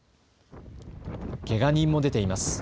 けが人も出ています。